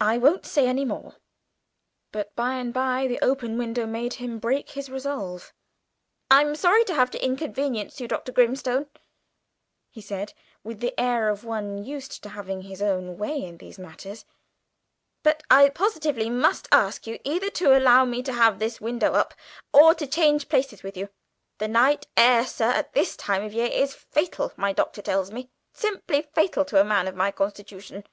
I won't say any more." But by and by, the open window made him break his resolution. "I'm sorry to inconvenience you, Dr. Grimstone," he said, with the air of one used to having his way in these matters, "but I positively must ask you either to allow me to have this window up or to change places with you. The night air, sir, at this time of the year is fatal, my doctor tells me, simply fatal to a man of my constitution."